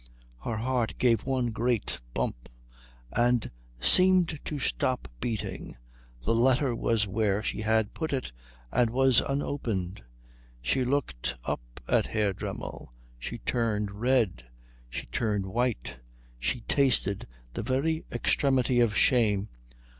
Her heart gave one great bump and seemed to stop beating. The letter was where she had put it and was unopened. She looked up at Herr Dremmel. She turned red; she turned white; she tasted the very extremity of shame.